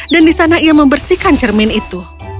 dan di sana dia membersihkan cermin itu